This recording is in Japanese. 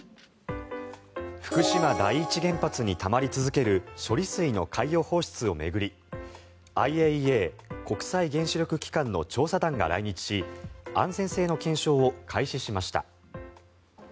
福島第一原発にたまり続ける処理水の海洋放出を巡りＩＡＥＡ・国際原子力機関の調査団が来日し安全性の検証を開始しました。